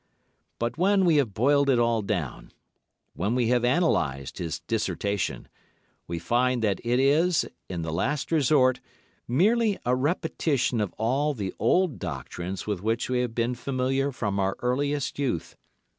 But when we have boiled it all down, when we have analysed his dissertation, we find that it is, in the last resort, merely a repetition of all the old doctrines with which we have been familiar from our earliest youth.